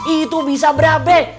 itu bisa berabe